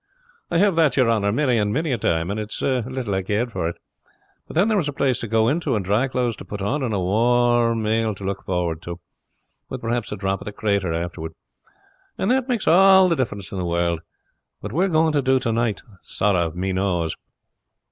"I have that, your honor, many and many a time; and it's little I cared for it. But then there was a place to go into, and dry clothes to put on, and a warm male to look forward to, with perhaps a drop of the crater afterward; and that makes all the difference in the world. What we are going to do to night, sorra of me knows."